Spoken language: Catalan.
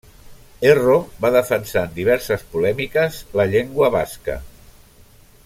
Erro va defensar en diverses polèmiques la llengua basca.